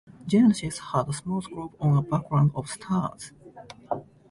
"Genesis" had a smooth globe on a background of stars.